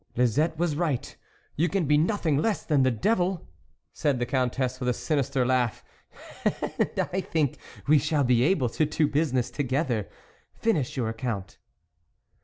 " Lisette was right, you can be nothing less than the devil, "said the Countess with a sinister laugh, " and I think we shall be able to do business together .... Finish your account."